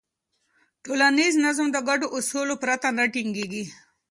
ټولنیز نظم د ګډو اصولو پرته نه ټینګېږي.